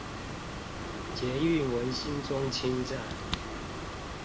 捷運文心中清站